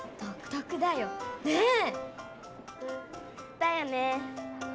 だよね！